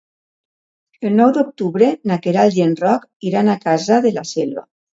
El nou d'octubre na Queralt i en Roc iran a Cassà de la Selva.